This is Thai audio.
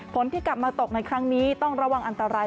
ฝนที่กลับมาตกในครั้งนี้ต้องระวังอันตราย